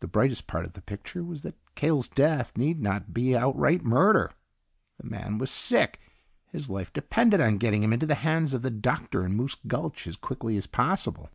The brightest part of the picture was that Cahill's death need not be outright murder. The man was sick. His life depended on getting him into the hands of the doctor in Moose Gulch as quickly as possible.